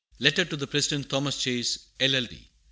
Letter to President Thomas Chase, LL. D.